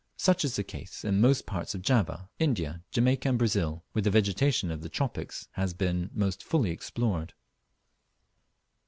Such is the case in most parts of Java, India, Jamaica, and Brazil, where the vegetation of the tropics has been most fully explored.